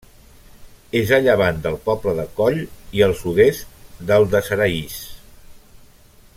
És a llevant del poble de Cóll i al sud-est del de Saraís.